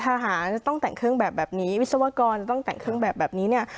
ทหารจะต้องแต่งเครื่องแบบแบบนี้วิศวกรต้องแต่งเครื่องแบบแบบนี้เนี่ย